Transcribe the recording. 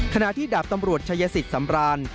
ขณะที่ดาบตำรวจชายสิทธิ์สำราน